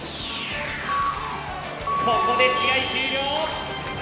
ここで試合終了。